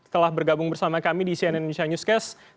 telah bergabung bersama kami di cnn indonesia newscast